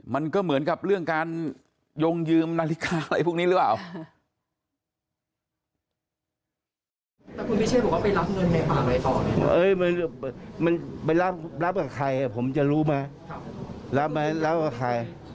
มันก็เหมือนกับเรื่องการยงยืมนาฬิกาอะไรพวกนี้หรือเปล่า